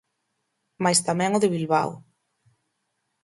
Mais tamén o de Bilbao.